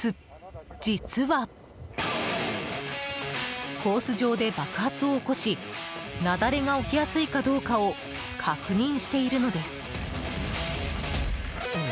実は、コース上で爆発を起こし雪崩が起きやすいかどうかを確認しているのです。